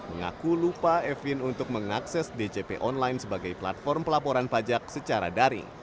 mengaku lupa evin untuk mengakses djp online sebagai platform pelaporan pajak secara daring